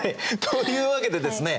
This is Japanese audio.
というわけでですね